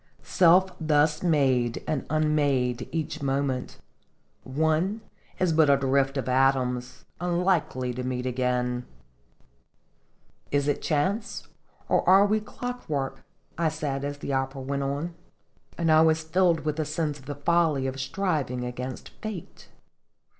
Self thus made and unmade each moment, one is but a drift of atoms, unlikely to meet again !"" Is it chance, or are we clock work?" I said, Singefc ittotljs. 47 as the opera went on, and I was filled with a sense of the folly of striving against fate.